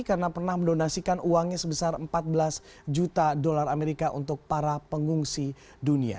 karena pernah mendonasikan uangnya sebesar empat belas juta dolar amerika untuk para pengungsi dunia